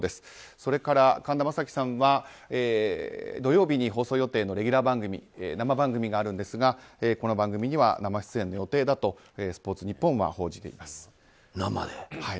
それから神田正輝さんは土曜日に放送予定のレギュラー番組生番組があるんですがこの番組には生出演の予定だとスポーツニッポンは報じています。